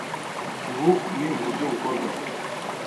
Ubu ni uburyo bukorwa